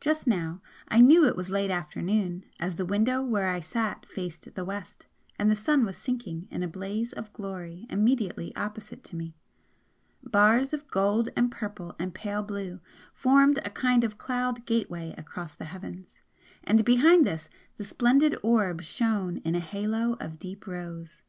Just now I knew it was late afternoon, as the window where I sat faced the west, and the sun was sinking in a blaze of glory immediately opposite to me. Bars of gold and purple and pale blue formed a kind of cloud gateway across the heavens, and behind this the splendid orb shone in a halo of deep rose.